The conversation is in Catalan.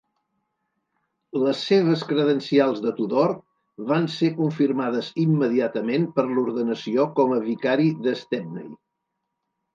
Les seves credencials de Tudor van ser confirmades immediatament per l'ordenació com a vicari de Stepney.